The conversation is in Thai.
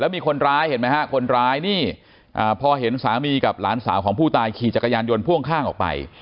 มีคนร้ายเห็นไหมฮะคนร้ายนี่พอเห็นสามีกับหลานสาวของผู้ตายขี่จักรยานยนต์พ่วงข้างออกไป